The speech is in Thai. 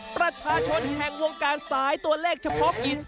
ประชาชนแห่งวงการสายตัวเลขเฉพาะกิจ